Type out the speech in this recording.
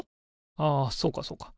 ああそうかそうか。